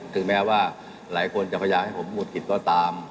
คือแม้ว่าหลายคนจะพยายามให้ผมหมุดกินตัวตาม